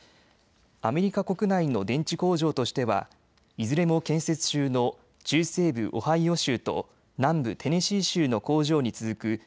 アメリカ国内の電池工場としてはいずれも建設中の中西部オハイオ州と南部テネシー州の工場に続く